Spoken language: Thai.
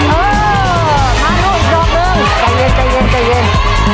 เออทานลูกอีกดอกหนึ่งใจเย็นใจเย็นใจเย็น